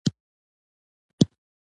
نور عنصرونه په لږه اندازه شتون لري.